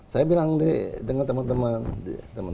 saya bilang didengar teman teman